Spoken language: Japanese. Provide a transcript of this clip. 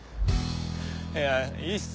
いやいいっす。